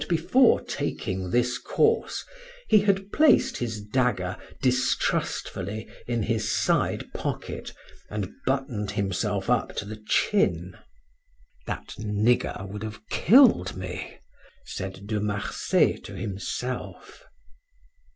But, before taking this course, he had placed his dagger distrustfully in his side pocket, and buttoned himself up to the chin. "That nigger would have killed me!" said De Marsay to himself.